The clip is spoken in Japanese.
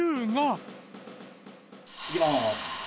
いきます。